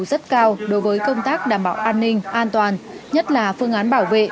đặt ra yêu cầu rất cao đối với công tác đảm bảo an ninh an toàn nhất là phương án bảo vệ